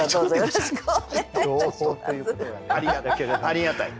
ありがたい。